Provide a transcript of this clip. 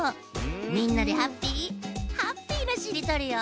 みんなでハッピーハッピーなしりとりよ。